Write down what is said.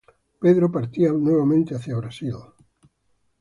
Pedro partía nuevamente hacia Brasil.